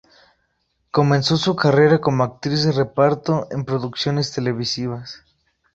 Comenzó su carrera como actriz de reparto en producciones televisivas.